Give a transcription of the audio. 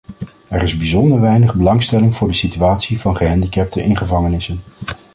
Er is bijzonder weinig belangstelling voor de situatie van gehandicapten in gevangenissen.